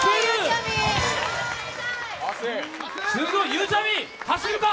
ゆうちゃみ、走るか！